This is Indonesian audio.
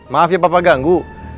maaf ya papa ganggu